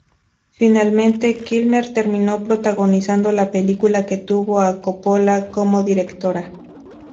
Finalmente, Kilmer terminó protagonizando la película, que tuvo a Coppola como directora.